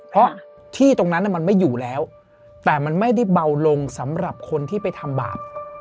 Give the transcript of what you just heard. เพราะที่ตรงนั้นมันไม่อยู่แล้วแต่มันไม่ได้เบาลงสำหรับคนที่ไปทำบาป